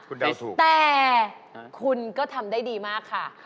คุณได้ถูกแต่คุณก็ทำได้ดีมากค่ะ